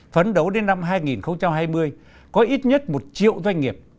phấn đấu đến năm hai nghìn hai mươi có ít nhất một triệu doanh nghiệp